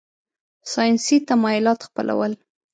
ساینسي تمایلات خپلول.